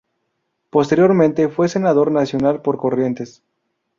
Posteriormente, fue Senador nacional por Corrientes.